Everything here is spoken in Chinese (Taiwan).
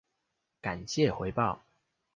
感謝回報